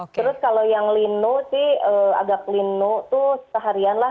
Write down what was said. terus kalau yang agak linu itu seharian lah